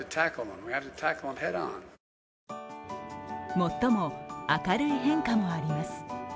もっとも、明るい変化もあります